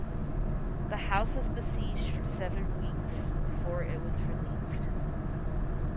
The house was besieged for seven weeks before it was relieved.